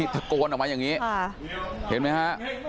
ถักโกนไว้อย่างงี้อ่าเห็นไหมฮะ